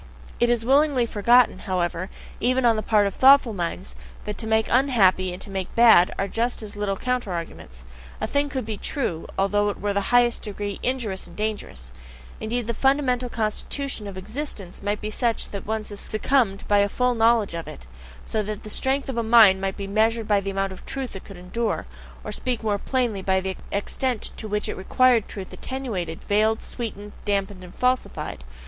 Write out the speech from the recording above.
It is willingly forgotten, however, even on the part of thoughtful minds, that to make unhappy and to make bad are just as little counter arguments. A thing could be TRUE, although it were in the highest degree injurious and dangerous; indeed, the fundamental constitution of existence might be such that one succumbed by a full knowledge of it so that the strength of a mind might be measured by the amount of "truth" it could endure or to speak more plainly, by the extent to which it REQUIRED truth attenuated, veiled, sweetened, damped, and falsified.